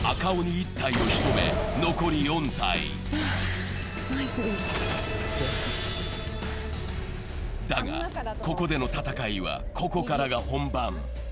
１体を仕留め、残り４体だが、ここでの戦いはここからが本番。